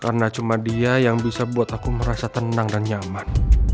karena cuma dia yang bisa buat aku merasa tenang dan nyaman